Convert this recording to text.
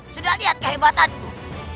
sudah lihat kehebatanku